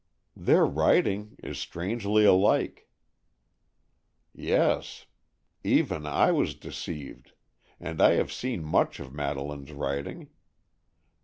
"Their writing is strangely alike." "Yes; even I was deceived, and I have seen much of Madeleine's writing.